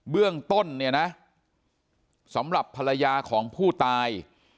เบื้องต้นเนี่ยนะสำหรับภรรยาของผู้ตาย